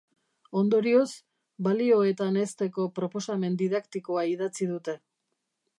Ondorioz, balioetan hezteko proposamen didaktikoa idatzi dute.